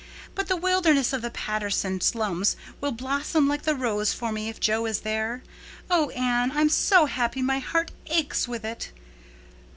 But the wilderness of the Patterson slums will blossom like the rose for me if Jo is there. Oh, Anne, I'm so happy my heart aches with it."